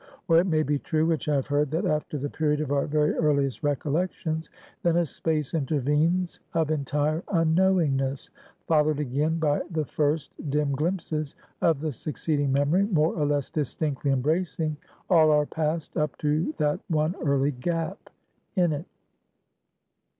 Or it may be true, which I have heard, that after the period of our very earliest recollections, then a space intervenes of entire unknowingness, followed again by the first dim glimpses of the succeeding memory, more or less distinctly embracing all our past up to that one early gap in it.